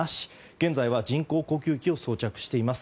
現在は人工呼吸器を装着しています。